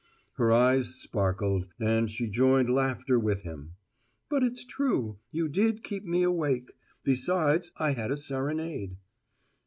Her eyes sparkled, and she joined laughter with him. "But it's true: you did keep me awake. Besides, I had a serenade."